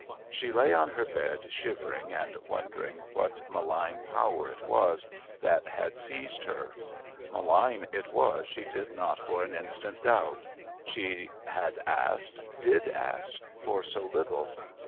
She lay on her bed shivering and wondering what malign power it was that had seized her. Malign it was, she did not for an instant doubt. She had asked, did ask, for so little.